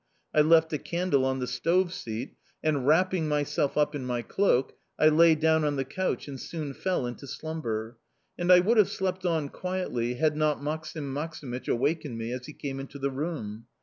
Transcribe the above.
I left a candle on the stove seat, and, wrapping myself up in my cloak, I lay down on the couch and soon fell into slumber; and I would have slept on quietly had not Maksim Maksimych awakened me as he came into the room.